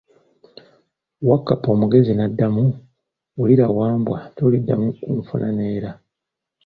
Wakkapa omugezi n'addamu, wulira Wambwa, toliddamu kunfuna neera.